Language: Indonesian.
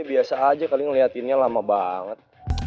biasa aja kali ngeliatinnya lama banget